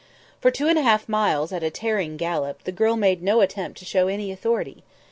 For two and a half miles, at a tearing gallop, the girl made no attempt to show any authority.